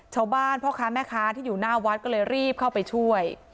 พ่อค้าแม่ค้าที่อยู่หน้าวัดก็เลยรีบเข้าไปช่วย